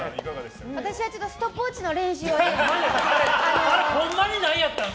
私はストップウォッチの練習を。